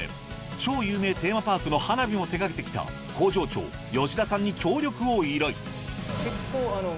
超有名テーマパークの花火も手がけてきた工場長吉田さんに協力を依頼結構。